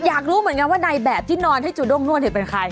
อยากรู้เหมือนกันว่าในแบบที่นอนให้จูด้งนวดเป็นใคร